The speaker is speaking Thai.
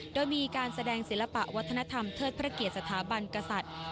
โดยมีการแสดงศิลปะวัฒนธรรมเทิดพระเกียรติสถาบันกษัตริย์